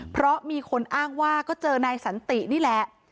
เพราะมีคนอ้างว่าก็เจอนายสันตินี่แหละ